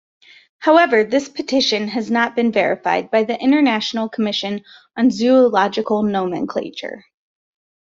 However, this petition has not been verified by the International Commission on Zoological Nomenclature.